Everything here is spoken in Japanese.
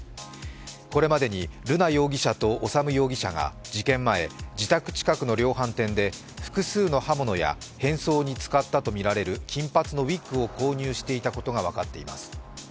これまでに瑠奈容疑者と修容疑者が事件前、自宅近くの量販店で複数の刃物や変装に使ったとみられる金髪のウイッグを購入していたことが分かっています。